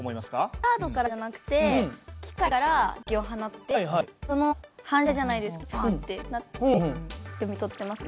カードからじゃなくて機械から電気を放ってその反射じゃないですけどパッてなって読み取ってますよ。